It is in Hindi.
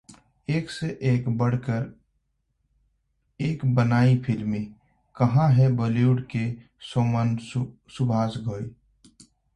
एक से बढ़कर एक बनाई फ़िल्में, कहां हैं बॉलीवुड के शोमैन सुभाष घई?